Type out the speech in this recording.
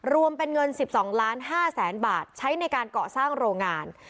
รวมเป็นเงิน๑๒ล้าน๕แสนบาทใช้ในการเกาะสร้างโรงงาน